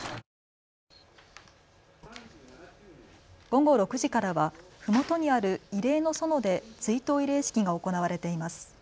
午後６時からはふもとにある慰霊の園で追悼慰霊式が行われています。